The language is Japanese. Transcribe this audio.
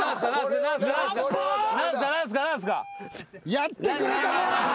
やってくれたな！